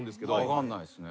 分かんないっすね。